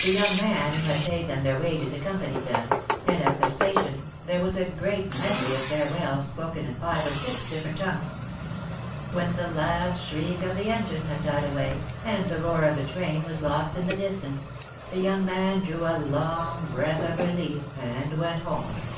The young man who had paid them their wages accompanied them, and, at the station, there was a great medley of farewells spoken in five or six different tongues. When the last shriek of the engine had died away and the roar of the train was lost in the distance, the young man drew a long breath of relief and went home.